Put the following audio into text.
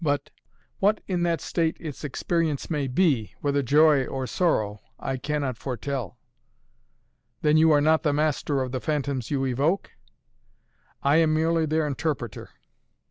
But what in that state its experience may be, whether joy or sorrow, I cannot foretell." "Then you are not the master of the phantoms you evoke?" "I am merely their interpreter!"